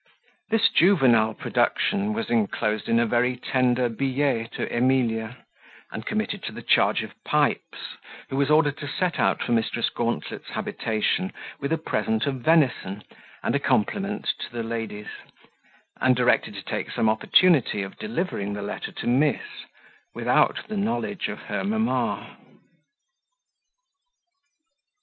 This juvenile production was enclosed in a very tender billet to Emilia, and committed to the charge of Pipes, who was ordered to set out for Mrs. Gauntlet's habitation with a present of venison, and a compliment to the ladies; and directed to take some opportunity of delivering the letter to miss, without the knowledge of her mamma.